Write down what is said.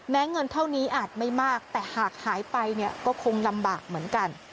เงินเท่านี้อาจไม่มากแต่หากหายไปเนี่ยก็คงลำบากเหมือนกัน